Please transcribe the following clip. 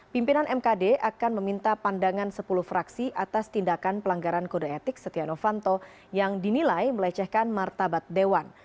pimpinan mkd akan meminta pandangan sepuluh fraksi atas tindakan pelanggaran kode etik setia novanto yang dinilai melecehkan martabat dewan